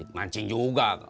ikut mancing juga